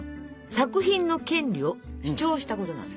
作品の権利を主張したことなんだよね。